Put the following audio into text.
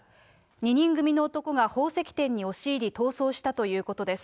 ２人組の男が宝石店に押し入り、逃走したということです。